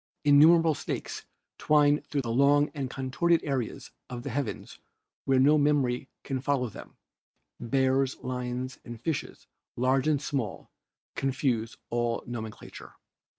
Innumerable snakes twine through long and contorted areas of the heavens where no memory can follow them; bears, lions and fishes, large and small, confuse all nomenclature."